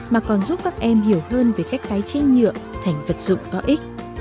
mà còn giúp các em hiểu hơn về cách tái chế nhựa thành vật dụng có ích